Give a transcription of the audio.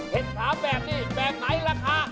เห็ดพาแบบนี่แบบไหนราคา